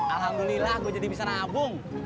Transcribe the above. alhamdulillah gue jadi bisa nabung